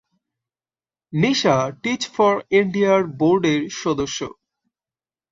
Nisa Teach For ইন্ডিয়ার বোর্ডের সদস্য।